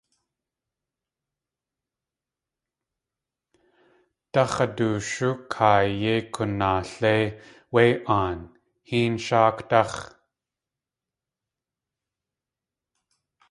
Dax̲adooshú kaay yéi kunaaléi wé aan, héen sháakdáx̲.